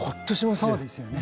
そうですよね。